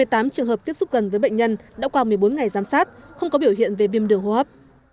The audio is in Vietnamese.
hai mươi tám trường hợp tiếp xúc gần với bệnh nhân đã qua một mươi bốn ngày giám sát không có biểu hiện về viêm đường hô hấp